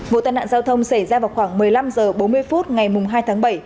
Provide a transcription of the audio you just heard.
vụ tai nạn giao thông xảy ra vào khoảng một mươi năm h bốn mươi phút ngày hai tháng bảy